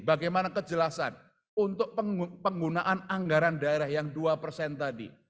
bagaimana kejelasan untuk penggunaan anggaran daerah yang dua persen tadi